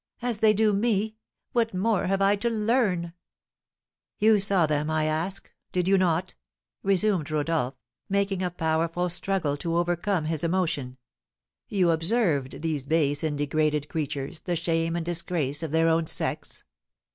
"As they do me! What more have I to learn?" "You saw them, I ask, did you not?" resumed Rodolph, making a powerful struggle to overcome his emotion. "You observed these base and degraded creatures, the shame and disgrace of their own sex?